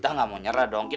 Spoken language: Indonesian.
enggak ada sedih